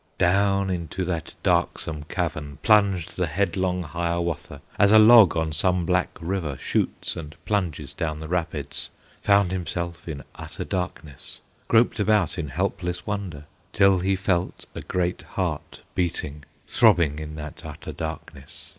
Down into that darksome cavern Plunged the headlong Hiawatha, As a log on some black river Shoots and plunges down the rapids, Found himself in utter darkness, Groped about in helpless wonder, Till he felt a great heart beating, Throbbing in that utter darkness.